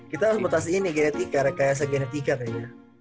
kita harus mutasi ini genetika rekayasa genetika kayaknya